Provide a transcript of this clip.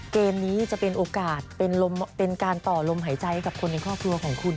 เกมนี้จะเป็นโอกาสเป็นการต่อลมหายใจให้กับคนในครอบครัวของคุณ